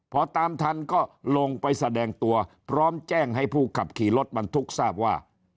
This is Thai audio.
พอตามทันก็ลงไปแสดงตัวพร้อมแจ้งให้ผู้ขับขี่รถบรรทุกทราบว่า